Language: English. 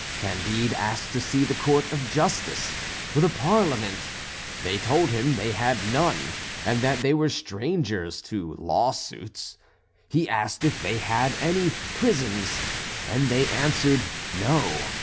Candide asked to see the court of justice, the parliament. They told him they had none, and that they were strangers to lawsuits. He asked if they had any prisons, and they answered no.